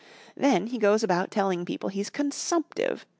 Then he goes about telling people he's consumptive.